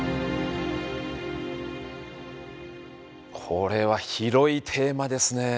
これは広いテーマですねえ。